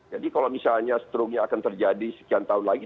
jadi kalau misalnya strokenya akan terjadi sekian tahun lagi